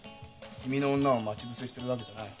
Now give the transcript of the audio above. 君の女を待ち伏せしてるわけじゃない。